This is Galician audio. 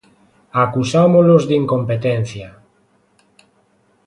Acusámolos de incompetencia.